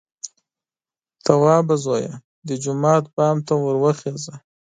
_توابه زويه! د جومات بام ته ور وخېژه!